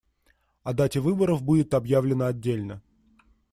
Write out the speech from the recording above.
О дате выборов будет объявлено отдельно.